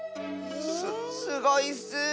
すすごいッス！